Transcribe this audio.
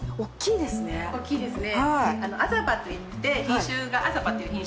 大きいですね！